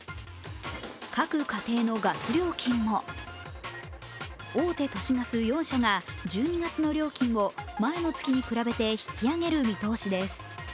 各家庭のガス料金も大手都市ガス４社が、１２月の料金を前の月に比べて引き上げる見通しです。